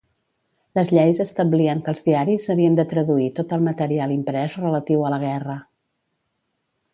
Les lleis establien que els diaris havien de traduir tot el material imprès relatiu a la guerra.